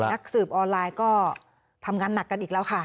นักสืบออนไลน์ก็ทำงานหนักกันอีกแล้วค่ะ